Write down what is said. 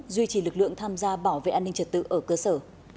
duy trì lực lượng tham gia bảo vệ an ninh trật tự ở cơ sở